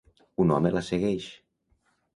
Un home la segueix.